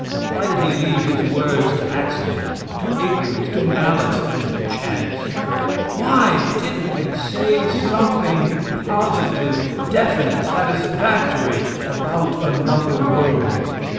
Why did He leave His words to accident, to ignorance, to malice, and to chance? Why didn't He say something positive, definite, satisfactory, about another world?